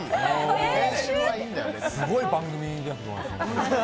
すごい番組ですよ。